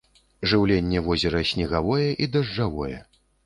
Жыўленне возера снегавое і дажджавое.